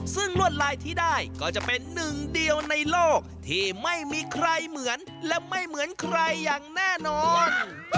ซึ่งลวดลายที่ได้ก็จะเป็นหนึ่งเดียวในโลกที่ไม่มีใครเหมือนและไม่เหมือนใครอย่างแน่นอน